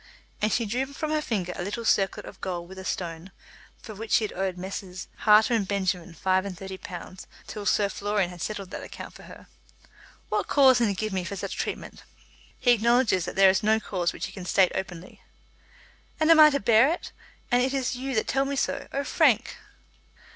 And she drew from her finger a little circlet of gold with a stone, for which she had owed Messrs. Harter and Benjamin five and thirty pounds till Sir Florian had settled that account for her. "What cause can he give for such treatment?" "He acknowledges that there is no cause which he can state openly." "And I am to bear it? And it is you that tell me so? Oh, Frank!"